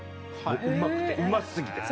もううまくてうますぎて。